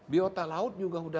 biota laut juga sudah